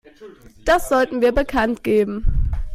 Das sollten wir bekanntgeben.